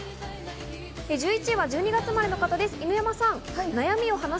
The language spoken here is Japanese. １１位は１２月生まれの方、犬山さん。